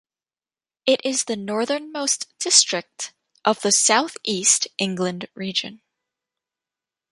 It is the northernmost district of the South East England Region.